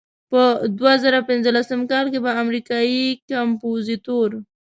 په دوه زره پنځلسم کال کې به امریکایي کمپوزیتور.